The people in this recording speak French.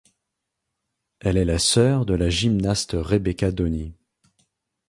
Elle est la sœur de la gymnaste Rebecca Downie.